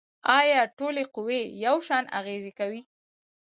آیا ټولې قوې یو شان اغیزې کوي؟